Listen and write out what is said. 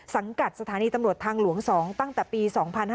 สังกัดสถานีตำรวจทางหลวง๒ตั้งแต่ปี๒๕๕๙